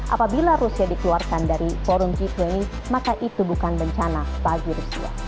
apabila rusia dikeluarkan dari forum g dua puluh maka itu bukan bencana bagi rusia